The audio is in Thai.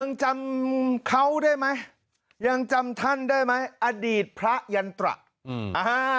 ยังจำเขาได้ไหมยังจำท่านได้ไหมอดีตพระยันตระอืมอ่า